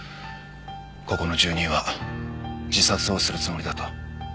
ここの住人は自殺をするつもりだと。